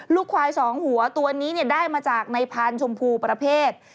ลูกควาย๒หัวตัวนี้ได้มาจากนายพานชมพูประเภท